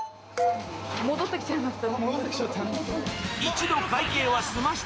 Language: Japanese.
戻ってきちゃいました。